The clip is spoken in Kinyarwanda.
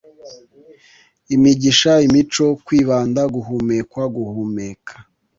imigisha, imico, kwibanda, guhumekwa, guhumeka